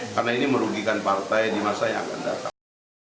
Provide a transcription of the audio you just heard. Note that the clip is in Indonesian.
karena ini merugikan partai di masa yang akan datang